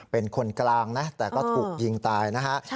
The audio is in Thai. เป็นคนกลางนะแต่ก็ถูกยิงตายนะฮะ